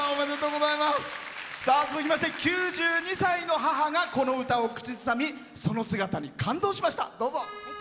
続きまして９２歳の母がこの歌を口ずさみその姿に感動しました。